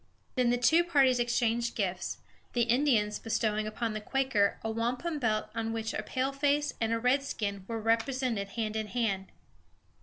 Then the two parties exchanged gifts, the Indians bestowing upon the Quaker a wampum belt on which a paleface and a redskin were represented hand in hand.